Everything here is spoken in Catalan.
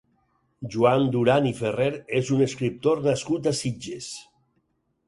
Joan Duran i Ferrer és un escriptor nascut a Sitges.